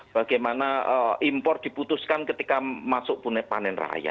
bagaimana impor diputuskan ketika masuk pun panen raya